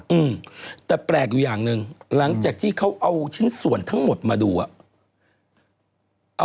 อืมแต่แปลกอยู่อย่างหนึ่งหลังจากที่เขาเอาชิ้นส่วนทั้งหมดมาดูอ่ะเอา